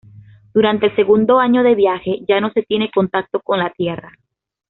Durante el segundo año de viaje, ya no se tiene contacto con la Tierra.